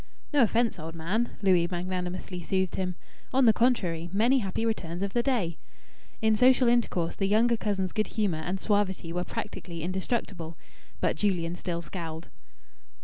"No offence, old man!" Louis magnanimously soothed him. "On the contrary, many happy returns of the day." In social intercourse the younger cousin's good humour and suavity were practically indestructible. But Julian still scowled.